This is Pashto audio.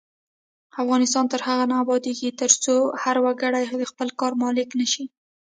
افغانستان تر هغو نه ابادیږي، ترڅو هر وګړی د خپل کار مالک نشي.